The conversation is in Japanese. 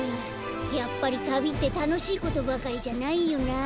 やっぱりたびってたのしいことばかりじゃないよな。